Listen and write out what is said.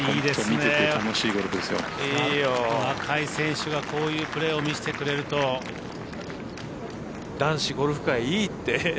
若い選手がこういうプレーを見せてくれると男子ゴルフ界、いいって。